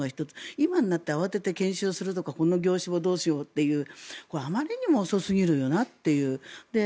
今になって慌てて研修するとかこの業種はどうしようというあまりにも遅すぎるなという。